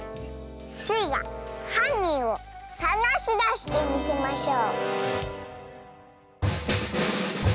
スイがはんにんをさがしだしてみせましょう！